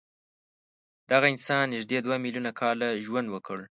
دغه انسان نږدې دوه میلیونه کاله ژوند وکړ.